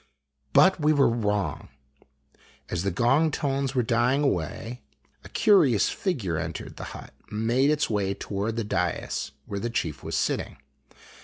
But we were wrong. As the gong tones were dying away a curious figure entered the hut and made its way toward the dais where the chief was sitting.